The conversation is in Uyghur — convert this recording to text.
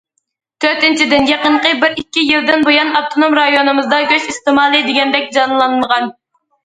تۆتىنچىدىن، يېقىنقى بىر ئىككى يىلدىن بۇيان ئاپتونوم رايونىمىزدا گۆش ئىستېمالى دېگەندەك جانلانمىغان.